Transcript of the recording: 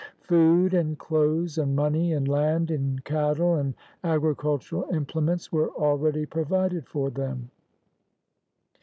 Food and clothes and money and land and cattle and agricultural implements were already provided for them.